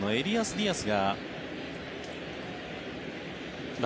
ディアス。